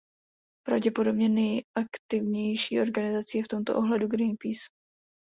Pravděpodobně nejaktivnější organizací je v tomto ohledu Greenpeace.